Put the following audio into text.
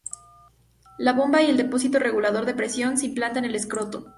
La bomba y el depósito regulador de presión se implanta en el escroto.